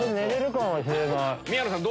宮野さん